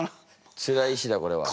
つらい詩だこれは。